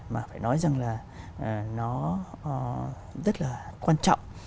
mà phải nói rằng là nó rất là quan trọng